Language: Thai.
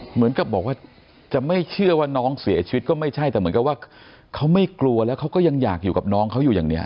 เหมือนกับบอกว่าจะไม่เชื่อว่าน้องเสียชีวิตก็ไม่ใช่แต่เหมือนกับว่าเขาไม่กลัวแล้วเขาก็ยังอยากอยู่กับน้องเขาอยู่อย่างนี้